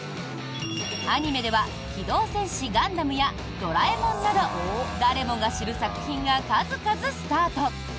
アニメでは「機動戦士ガンダム」や「ドラえもん」など誰もが知る作品が数々スタート。